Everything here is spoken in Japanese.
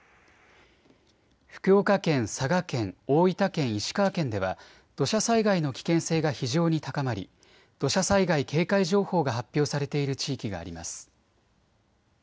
福岡県、佐賀県、大分県、石川県では土砂災害の危険性が非常に高まり土砂災害警戒情報が発表されている地域があります。